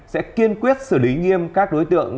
sẽ kiên quyết xử lý nghiêm các đối tượng